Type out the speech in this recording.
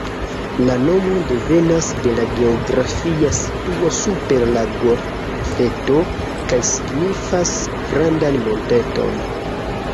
La nomo devenas de la geografia situo super la golfeto kaj signifas ""grandan monteton"".